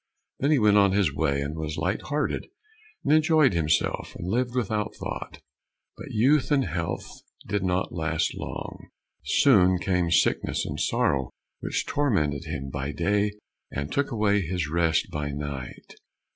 Then he went on his way, and was light hearted, and enjoyed himself, and lived without thought. But youth and health did not last long, soon came sicknesses and sorrows, which tormented him by day, and took away his rest by night.